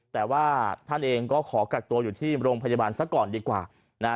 แต่ว่าท่านเองก็ขอกักตัวอยู่ที่โรงพยาบาลซะก่อนดีกว่านะฮะ